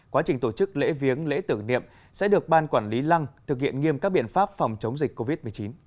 quá trình tổ chức lễ viếng lễ tưởng niệm sẽ được ban quản lý lăng thực hiện nghiêm các biện pháp phòng chống dịch covid một mươi chín